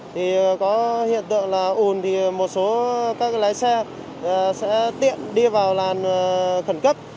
thì có hiện tượng là ùn thì một số các lái xe sẽ tiện đi vào làn khẩn cấp